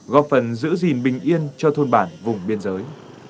góp phần giữ gìn bình yên cho thôn bản vùng biên giới